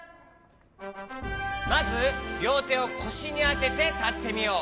まずりょうてをこしにあててたってみよう。